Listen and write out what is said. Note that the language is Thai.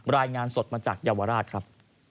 รายงานสดมาจากเยาวราชครับ